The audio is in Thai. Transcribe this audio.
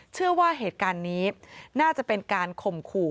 เชื่อว่าเหตุการณ์นี้น่าจะเป็นการข่มขู่